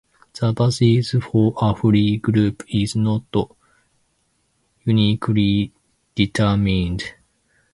The basis for a free group is not uniquely determined.